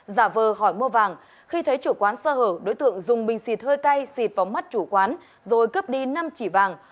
giả vờ hỏi mua vàng khi thấy chủ quán sơ hở đối tượng dùng bình xịt hơi cay xịt vào mắt chủ quán rồi cướp đi năm chỉ vàng